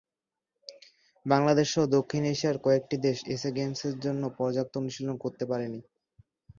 বাংলাদেশসহ দক্ষিণ এশিয়ার কয়েকটি দেশ এসএ গেমসের জন্য পর্যাপ্ত অনুশীলন করতে পারেনি।